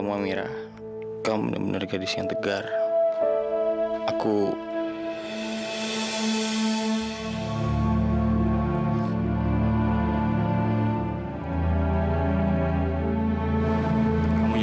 emang gak ada harganya